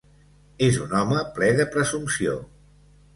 És un home ple de presumpció.